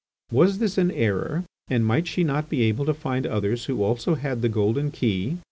Was this an error, and might she not be able to find others who also had the golden key?